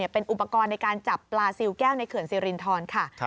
เป็นอุปกรณ์ในการจับปลาซิลแก้วในเขื่อนสิรินทรค่ะ